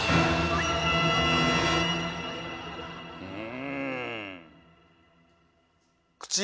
うん。